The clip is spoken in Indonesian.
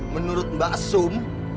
menurut mbak sum